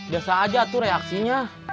biasa aja tuh reaksinya